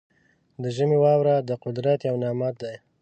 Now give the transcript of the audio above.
د ژمي واوره د قدرت یو نعمت دی.